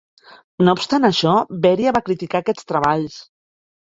No obstant això, Beria va criticar aquests treballs.